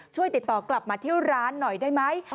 ช่วยติดต่อกลับมาที่ร้านหน่อยได้ไหม